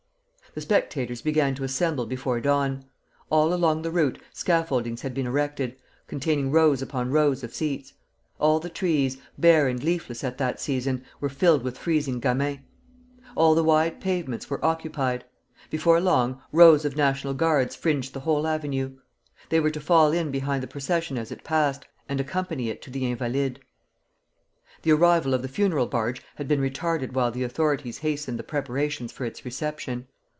The spectators began to assemble before dawn. All along the route scaffoldings had been erected, containing rows upon rows of seats. All the trees, bare and leafless at that season, were filled with freezing gamins. All the wide pavements were occupied. Before long, rows of National Guards fringed the whole avenue. They were to fall in behind the procession as it passed, and accompany it to the Invalides. The arrival of the funeral barge had been retarded while the authorities hastened the preparations for its reception.